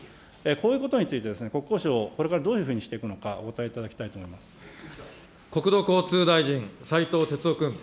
こういうことについて、国交省、これからどういうふうにしていくのか、お答えいただきたいと思い国土交通大臣、斉藤鉄夫君。